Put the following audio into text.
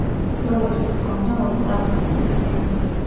პროექტს ჰქონდა ორი წარმატებული სინგლი.